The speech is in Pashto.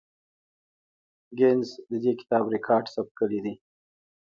ګینس د دې کتاب ریکارډ ثبت کړی دی.